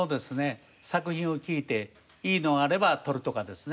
作品を聴いていいのがあれば取るとかですね。